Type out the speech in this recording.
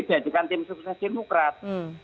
jadikan tim sukses demokrat